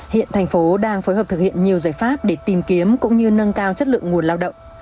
hiện thành phố đang phối hợp thực hiện nhiều giải pháp để tìm kiếm cũng như nâng cao chất lượng nguồn lao động